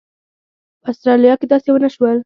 په اسټرالیا کې داسې ونه شول.